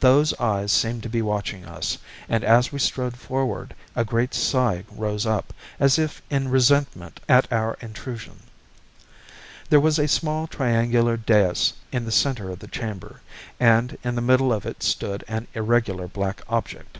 Those eyes seemed to be watching us, and as we strode forward, a great sigh rose up, as if in resentment at our intrusion. There was a small triangular dais in the center of the chamber, and in the middle of it stood an irregular black object.